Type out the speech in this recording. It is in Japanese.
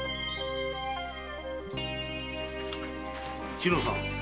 千乃さん。